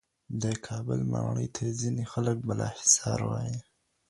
د کابل ماڼۍ ته ځینې خلک بالاحصار وایې.